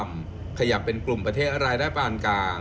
ผ่านการเขี่ยมเป็นกลุ่มประเทศไรได้ผ่านกลาง